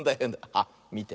あっみて。